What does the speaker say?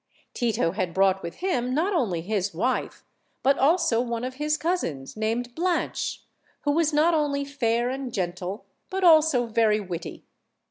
Tito had brought with him not only his wife, but also one of his cousins, named Blanche, who was not only fair and gentle, but also very witty.